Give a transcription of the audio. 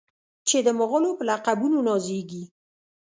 چې د مغلو په لقبونو نازیږي.